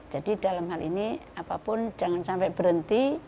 jadi dalam hal ini apapun jangan sampai berhenti